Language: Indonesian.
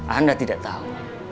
anda tidak tahu